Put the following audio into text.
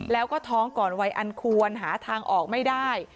แล้วก็ท้องก่อนวัยอันควรหาทางออกไม่ได้